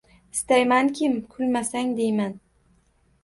Istaymankim, kulmasang deyman